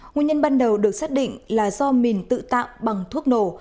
nguyên nhân ban đầu được xác định là do mình tự tạo bằng thuốc nổ